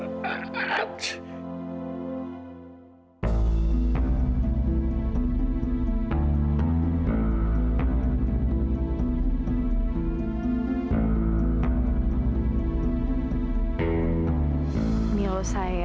aku akan mengasuh vino mengurusnya